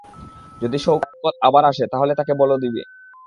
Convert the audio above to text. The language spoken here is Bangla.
যদি শওকত আবার আসে, তাহলে তাকে বল দিবে।